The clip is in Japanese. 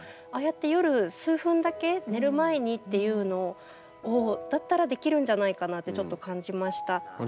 ああやって夜数分だけ寝る前にっていうのだったらできるんじゃないかなってちょっと感じました。